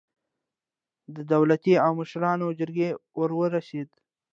د دولتي او مشرانو جرګې وار راورسېد.